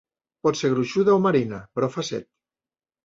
Pot ser gruixuda o marina, però fa set.